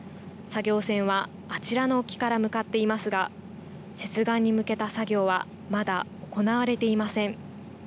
作業船は、あちらの沖から向かっていますが接岸に向けた作業はまだ行われていません。